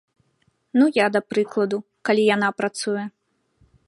Ну, я да прыкладу, калі яна працуе.